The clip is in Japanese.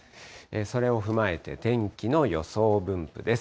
それを踏まえて、天気の予想分布です。